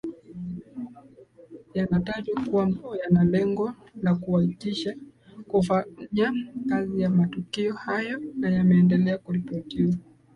yanatajwa kuwa yanalengo la kuwatisha kufanya kazi yao matukio hayo na yameendelea kuripotiwa